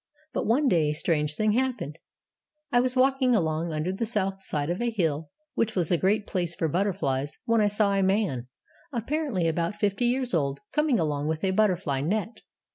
But one day a strange thing happened. 'I was walking along under the south side of a hill, which was a great place for butterflies, when I saw a man, apparently about fifty years old, coming along with a butterfly net.'